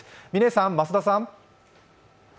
嶺さん、増田さん。